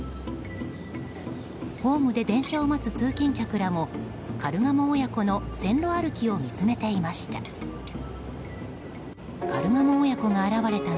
ホームで電車を待つ通勤客らもカルガモ親子の線路歩きを見つめていました。